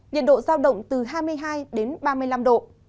nhiệt độ giao động từ hai mươi hai đến ba mươi năm độ